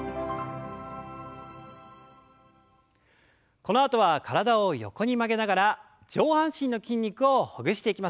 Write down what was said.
このあとは体を横に曲げながら上半身の筋肉をほぐしていきましょう。